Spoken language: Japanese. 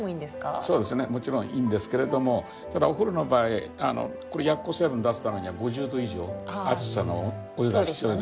そうですねもちろんいいんですけれどもただお風呂の場合これ薬効成分出すためには５０℃以上熱さのお湯が必要ですよね。